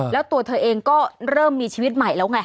แล้วตัวเธอเองก็เริ่มมีชีวิตใหม่แล้วไง